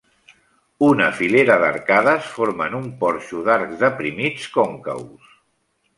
Una filera d'arcades formen un porxo d'arcs deprimits còncaus.